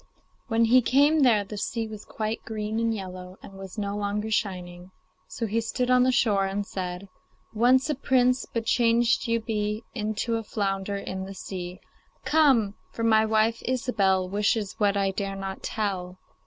When he came there the sea was quite green and yellow, and was no longer shining. So he stood on the shore and said: 'Once a prince, but changed you be Into a flounder in the sea. Come! for my wife, Ilsebel, Wishes what I dare not tell.